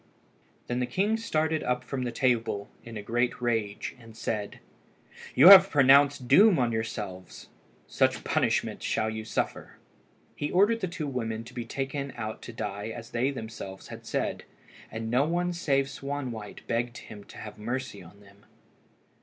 Then the king started up from the table in a great rage, and said "You have pronounced doom on yourselves. Such punishment shall you suffer!" He ordered the two women to be taken out to die as they themselves had said, and no one save Swanwhite begged him to have mercy on them.